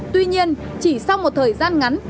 tuy nhiên chỉ sau một thời gian ngắn